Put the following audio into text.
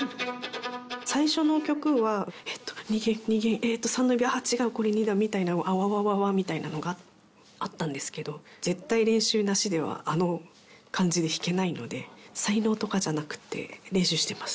最初の曲は「２弦２弦えっと３の指あぁ違うこれ２だ」みたいなアワワワワみたいなのがあったんですけど絶対練習なしではあの感じで弾けないので才能とかじゃなくって練習してます。